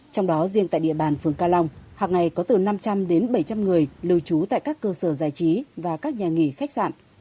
trong đó riêng tại địa bàn phường ca long hàng ngày có từ năm trăm linh đến bảy trăm linh người lưu trú tại các cơ sở giải trí và các nhà nghỉ khách sạn